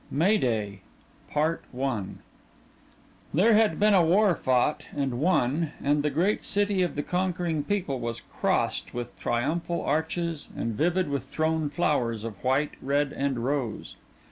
MAY DAY There had been a war fought and won and the great city of the conquering people was crossed with triumphal arches and vivid with thrown flowers of white, red, and rose.